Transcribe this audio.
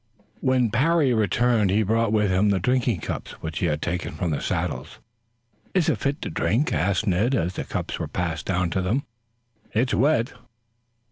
When Parry returned he brought with him the drinking cups, which he had taken from the saddles. "Is it fit to drink?" asked Tad as the cups were passed down to them. "It's wet."